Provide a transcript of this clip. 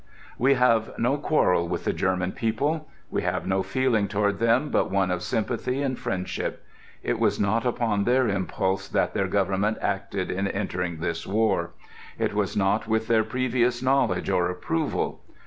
"We have no quarrel with the German people. We have no feeling toward them but one of sympathy and friendship. It was not upon their impulse that their government acted in entering this war. It was not with their previous knowledge or approval....